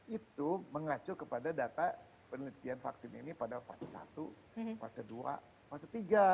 itu mengacu kepada data penelitian vaksin ini pada fase satu fase dua fase tiga